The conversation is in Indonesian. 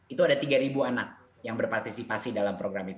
itu ada tiga anak yang berpartisipasi dalam program itu